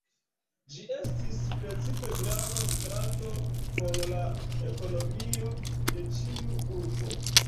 Ĝi estis precipe grava strato por la ekonomio de ĉiu urbo.